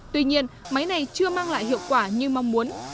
tuy nhiên máy này chưa mang lại hiệu quả như mong muốn